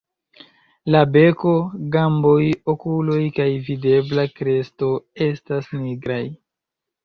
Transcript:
La beko, gamboj, okuloj kaj videbla kresto estas nigraj.